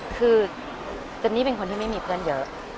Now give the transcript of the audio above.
คือเจนนี่เป็นคนที่ไม่มีเพื่อนเยอะ